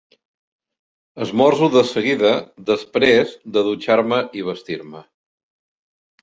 Esmorzo de seguida, després de dutxar-me i vestir-me.